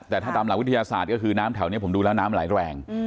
แต่ถ้าตามหลักวิทยาศาสตร์ก็คือน้ำแถวนี้ผมดูแล้วน้ำไหลแรง